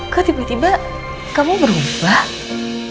kak tiba tiba kamu berubah